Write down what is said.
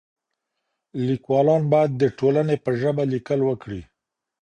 ليکوالان بايد د ټولني په ژبه ليکل وکړي.